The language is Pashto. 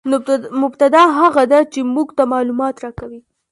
مبتداء هغه ده، چي موږ ته معلومات راکوي.